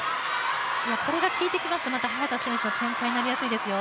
これが効いてきますと、早田選手の展開になりやすいですよ。